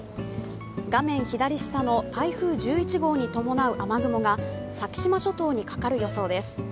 画面左下の台風１１号に伴う雨雲が先島諸島にかかる予想です。